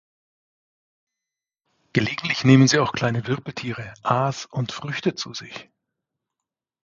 Gelegentlich nehmen sie auch kleine Wirbeltiere, Aas und Früchte zu sich.